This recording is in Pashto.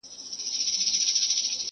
قسمت به حوري درکړي سل او یا په کرنتین کي،